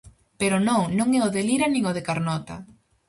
Pero non, non é o de Lira, nin o de Carnota.